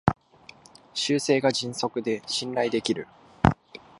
修正が迅速で信頼できる